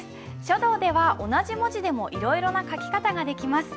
書道では同じ文字でもいろいろな書き方ができます。